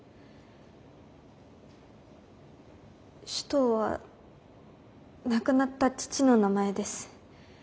首藤は亡くなった父の名前です。